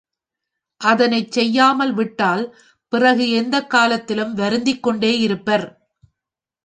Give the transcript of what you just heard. அதனைச் செய்யாமல் விட்டால் பிறகு எந்தக் காலத்திலும் வருந்திக் கொண்டே இருப்பர்.